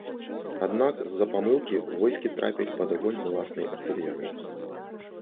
Аднак з-за памылкі войскі трапілі пад агонь уласнай артылерыі.